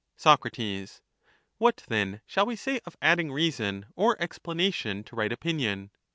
Soc, What, then, shall we say of adding reason or explana tion to right opinion?